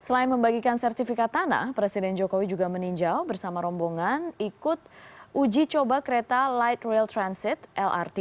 selain membagikan sertifikat tanah presiden jokowi juga meninjau bersama rombongan ikut uji coba kereta light rail transit lrt